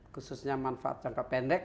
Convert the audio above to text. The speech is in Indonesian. khususnya manfaat jangka pendek